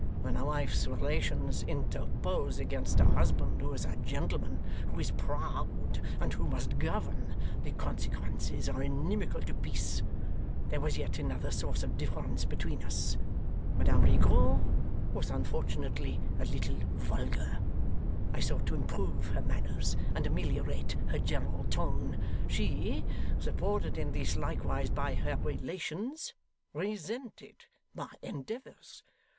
When a wife's relations interpose against a husband who is a gentleman, who is proud, and who must govern, the consequences are inimical to peace. There was yet another source of difference between us. Madame Rigaud was unfortunately a little vulgar. I sought to improve her manners and ameliorate her general tone; she (supported in this likewise by her relations) resented my endeavours.